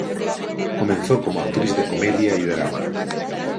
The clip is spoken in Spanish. Comenzó como actriz de comedia y drama.